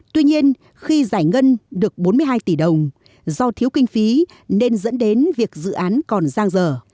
tuy nhiên khi giải ngân được bốn mươi hai tỷ đồng do thiếu kinh phí nên dẫn đến việc dự án còn giang dở